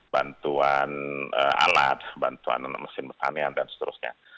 bantuan alat bantuan mesin pertanian dan seterusnya